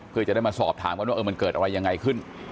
เพื่อจะได้มาสอบถามกันว่ามันเกิดอะไรยังไงขึ้น